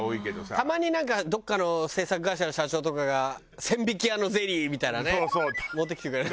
たまになんかどこかの制作会社の社長とかが千疋屋のゼリーみたいなね持ってきてくれる。